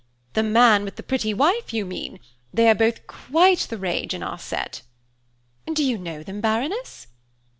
The man with the pretty wife, you mean. They are both quite the rage in our set." "Do you know them, Baroness?"